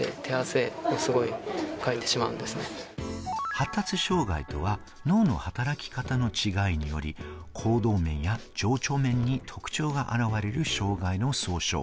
発達障害とは、脳の働き方の違いにより、行動面や情緒面に特徴が現れる障害の総称。